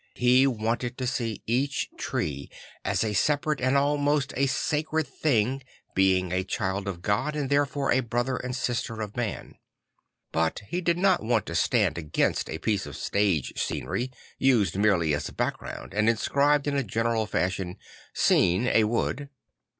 He wanted to see each tree as a separate and almost a sacred thing, being a child of God and therefore a brother or sister of man. But he did not want to stand against a piece of stage scenery used merely as a background, and inscribed in a general fashion: II Scene; a wood."